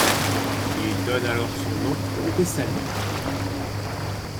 Il donne alors son nom aux Thessaliens.